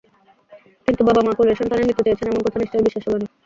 কিন্তু বাবা-মা কোলের সন্তানের মৃত্যু চেয়েছেন—এমন কথা নিশ্চয়ই বিশ্বাস হবে না।